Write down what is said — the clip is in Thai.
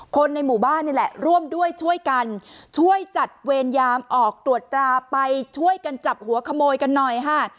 คนในหมู่บ้านนี่แหละร่วมด้วยช่วยกันช่วยจัดเวรยามออกตรวจตราไปช่วยกันจับหัวขโมยกันหน่อยค่ะ